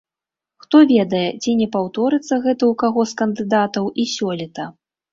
Хто ведае, ці не паўторыцца гэта ў каго з кандыдатаў і сёлета.